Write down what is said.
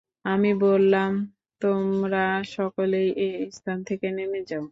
আমি বললাম, তোমরা সকলেই এ স্থান থেকে নেমে যাও।